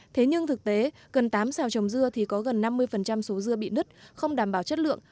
thế nhưng thực tế gần tám xào trồng dưa thì có gần năm mươi số dưa bị nứt không đảm bảo chất lượng